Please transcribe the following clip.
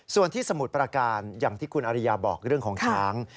ส่วนที่สมุทรประการอย่างที่คุณอริยาบอกเรื่องของช้าง